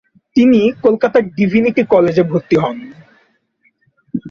তিনি কলকাতার ডিভিনিটি কলেজে ভর্তি হন।